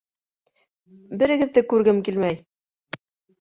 Берегеҙҙе күргем килмәй!